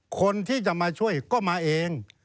คนที่จะมาช่วยก็มาเอง